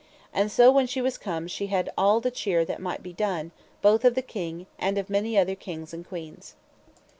And so when she was come she had all the cheer that might be done, both of the king, and of many other kings and queens.